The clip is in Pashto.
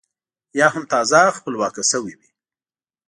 یا هم تازه خپلواکه شوې وي.